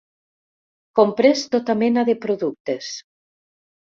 Comprés tota mena de productes.